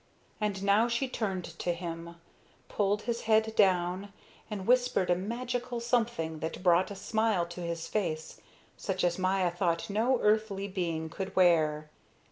And now she turned to him, pulled his head down, and whispered a magical something that brought a smile to his face such as Maya thought no earthly being could wear.